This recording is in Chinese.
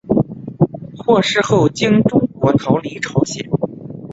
获释后经中国逃离朝鲜。